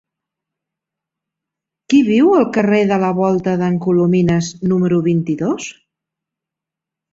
Qui viu al carrer de la Volta d'en Colomines número vint-i-dos?